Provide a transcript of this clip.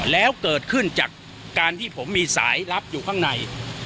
แล้วเกิดขึ้นจากการที่ผมมีสายลับอยู่ข้างใน